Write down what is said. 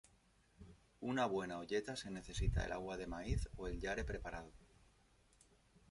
Una buena olleta se necesita el agua de maíz o el yare preparado.